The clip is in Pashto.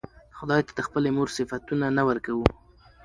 خداى ته د خپلې مور صفتونه نه ورکوو